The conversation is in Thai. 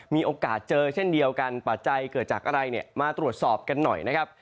มีโอกาสเจอเช่นเดียวกันปัจจัยเกิดจากอะไรเนี่ยมาตรวจสอบกันหน่อยนะครับ